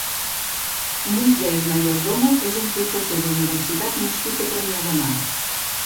Moisés Mayordomo és un professor d'universitat nascut a Premià de Mar.